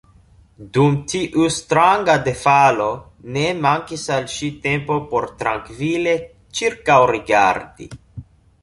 Dum tiu stranga defalo, ne mankis al ŝi tempo por trankvile ĉirkaŭrigardi.